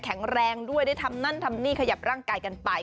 แข็งแรงด้วยได้ทำนั่นทำนี่ขยับร่างกายกันไป